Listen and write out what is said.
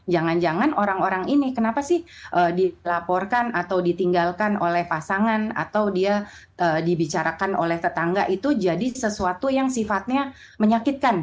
jangan jangan orang orang ini kenapa sih dilaporkan atau ditinggalkan oleh pasangan atau dia dibicarakan oleh tetangga itu jadi sesuatu yang sifatnya menyakitkan